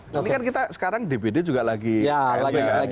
ini kan kita sekarang dpd juga lagi klb kan